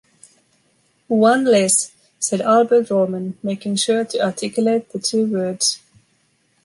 One less, said Albert Roman making sure to articulate the two words.